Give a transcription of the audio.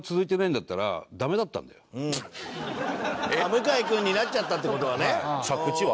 向井君になっちゃったって事はね。